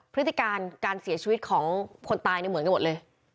พฤติการการเสียชีวิตของคนตายเหมือนกันหมดเลย